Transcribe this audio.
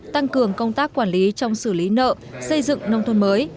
tăng cường công tác quản lý trong xử lý nợ xây dựng nông thôn mới